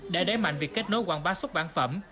để đẩy mạnh việc kết nối quảng bá xuất bản phẩm